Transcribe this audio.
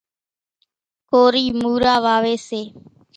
ڪورِي مورا واويَ سي۔